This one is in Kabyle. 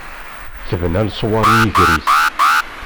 Tebna leṣwaṛ i yiger-is.